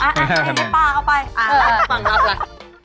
ไม่ต้องไปตัดอะไร